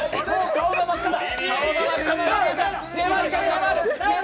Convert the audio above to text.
顔が真っ赤だ。